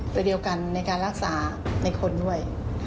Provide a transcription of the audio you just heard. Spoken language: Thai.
ตัวเดียวกันในการรักษาในคนด้วย